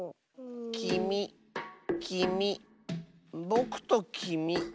きみきみぼくときみ。